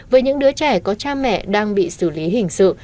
với những đứa trẻ có cha mẹ đang bị xử lý hình sự